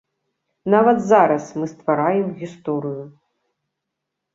Нават зараз мы ствараем гісторыю.